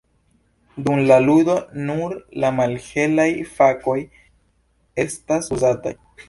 Dum la ludo nur la malhelaj fakoj estas uzataj.